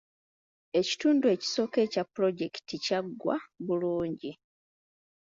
Ekitundu ekisooka ekya pulojekiti kyaggwa bulungi